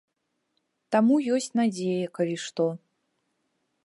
Таму ёсць надзея, калі што.